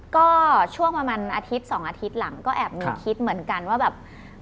ก็ช่วงประมาณอาทิตย์๒อาทิตย์หลังก็แอบมีคิดเหมือนกันว่าแบบ